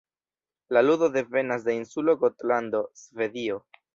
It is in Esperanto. La ludo devenas de insulo Gotlando, Svedio.